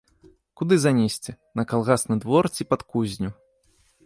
Куды занесці, на калгасны двор ці пад кузню?